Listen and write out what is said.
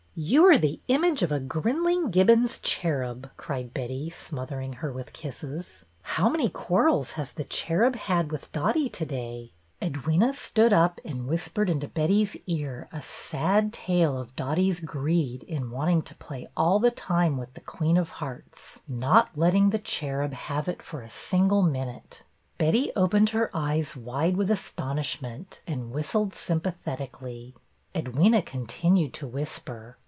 You are the image of a Grinling Gibbon's cherub," cried Betty, smothering her with kisses. '' How many quarrels has the cherub had with Dotty to day? " Edwyna stood up and whispered into Betty's ears a sad tale of Dotty's greed in wanting to play all the time with the Queen of Hearts, THE UNKNOWN BIDDER 299 not letting the cherub have it for a single minute. Betty opened her eyes wide with astonishment and whistled sympathetically. Edwyna continued to whisper.